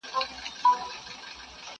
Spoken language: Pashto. په جنگ کي يو گام د سلو کلو لاره ده.